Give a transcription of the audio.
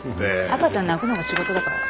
赤ちゃん泣くのが仕事だから。